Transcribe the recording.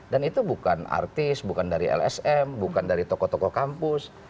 dan itu bukan artis bukan dari lsm bukan dari tokoh tokoh kampus